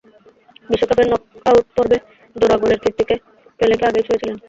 বিশ্বকাপের নকআউট পর্বে জোড়া গোলের কীর্তিতে পেলেকে আগেই ছুঁয়েছিলেন।